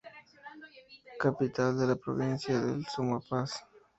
Capital de la Provincia del Sumapaz.